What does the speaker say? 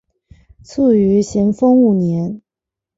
卒于咸丰五年。